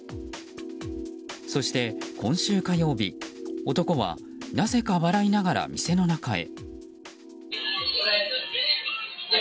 そして、今週火曜日男はなぜか笑いながら店の中へ。